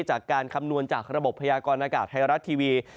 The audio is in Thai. จากการคำนวณจากระบบพยากรณ์อากาศไทยรัตน์ทีวี